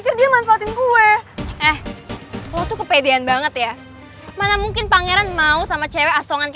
lo manfaatin gue gak tuh kurang ajar tau gak